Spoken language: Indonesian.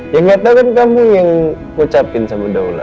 ya enggak tahu kan kamu yang ucapkan sama daula